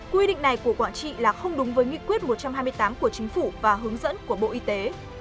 quy định này của quảng trị là không đúng với nghị quyết một trăm hai mươi tám của chính phủ và hướng dẫn của bộ y tế